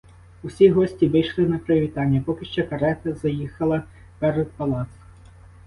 Усі гості вийшли на привітання, поки ще карета заїхала перед палац.